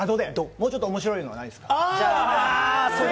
もうちょっと面白いのないのかな？